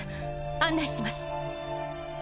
案内します。